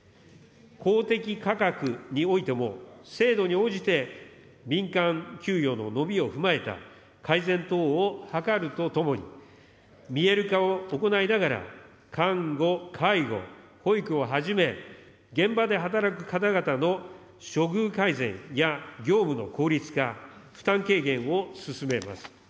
公的価格においても、制度に応じて、民間給与の伸びを踏まえた改善等を図るとともに、見える化を行いながら、看護、介護、保育をはじめ、現場で働く方々の処遇改善や業務の効率化、負担軽減を進めます。